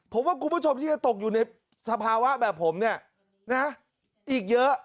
ผมว่ากุญแจชมที่จะตกอยู่ในสภาวะแบบผมนะอีกเยอะ